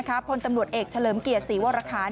คนตำรวจเอกเฉลิมเกลี่ยสีวรรคาน